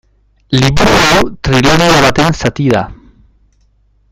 Liburu hau trilogia baten zati da.